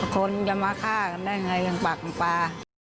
คนจะมาฆ่ากันได้ไงยังปากมันปลา